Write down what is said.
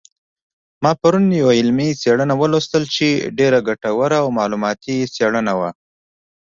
ما پرون یوه علمي څېړنه ولوستله چې ډېره ګټوره او معلوماتي څېړنه وه